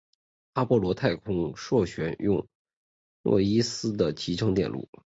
阿波罗太空梭选用诺伊斯的集成电路。